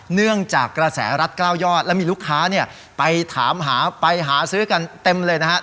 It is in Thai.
เนื่องจากกระแสรัฐ๙ยอดและมีลูกค้าเนี่ยไปถามหาไปหาซื้อกันเต็มเลยนะครับ